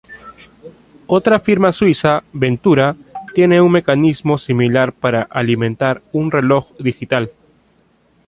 Otra firma suiza, Ventura, tiene un mecanismo similar para alimentar un reloj digital.